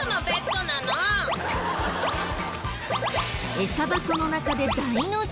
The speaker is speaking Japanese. エサ箱の中で大の字。